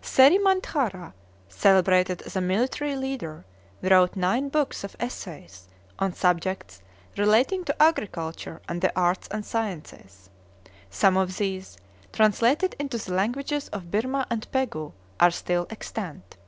Seri Manthara, celebrated as a military leader, wrote nine books of essays, on subjects relating to agriculture and the arts and sciences. Some of these, translated into the languages of Birmah and Pegu, are still extant.